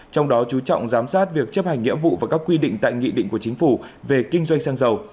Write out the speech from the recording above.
trong đó chú trọng giám sát việc chấp hành nghĩa vụ và các quy định tại nghị định của chính phủ về kinh doanh xăng dầu